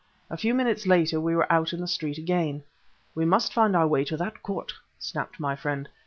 A few minutes later we were out in the street again. "We must find our way to that court!" snapped my friend.